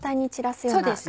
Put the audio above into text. そうですね。